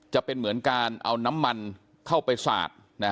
จะเป็นเหมือนการเอาน้ำมันเข้าไปสาด